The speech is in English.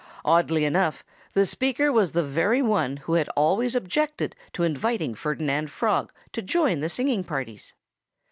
Oddly enough, the speaker was the very one who had always objected to inviting Ferdinand Frog to join the singing parties.